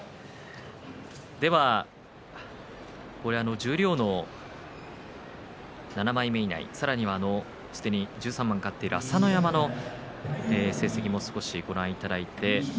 十両の７枚目以内さらにはすでに１３番勝っている朝乃山の成績もご覧いただいています。